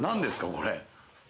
これ。